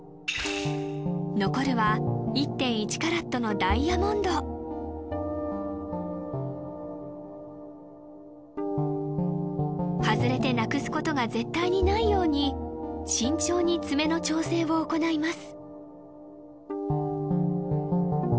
残るは１．１カラットのダイヤモンド外れてなくすことが絶対にないように慎重に爪の調整を行います